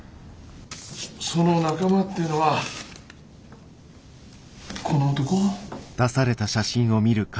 その仲間っていうのはこの男？